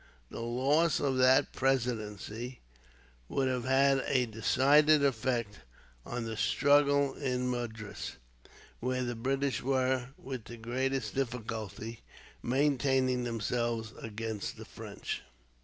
The loss of that presidency would have had a decided effect on the struggle in Madras, where the British were, with the greatest difficulty, maintaining themselves against the French.